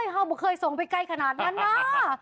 เคยส่งไปใกล้ขนาดนั้นนะ